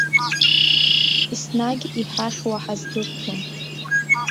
Еснагь иҳахьуа ҳаздырӡом.